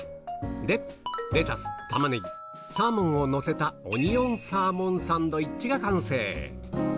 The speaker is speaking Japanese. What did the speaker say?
で、レタス、タマネギ、サーモンを載せた、オニオンサーモンサンドイッチが完成。